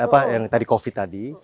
apa yang tadi covid tadi